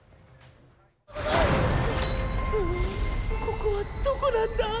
ここはどこなんだ？